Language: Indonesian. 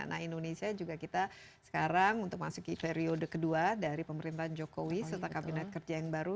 nah indonesia juga kita sekarang untuk masuki periode kedua dari pemerintahan jokowi serta kabinet kerja yang baru